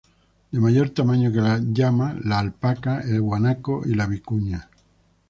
De mayor tamaño que la llama, la alpaca, el guanaco y la vicuña.